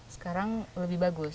sekarang lebih bagus